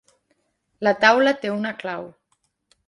La taula té una clau.